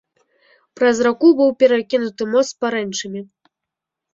Праз раку быў перакінуты мост з парэнчамі.